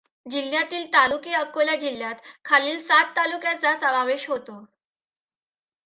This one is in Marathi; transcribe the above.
जिल्ह्यातील तालुके अकोला जिल्ह्यात खालील सात तालुक्यांचा समावेश होतो.